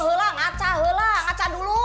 helang acah helang acah dulu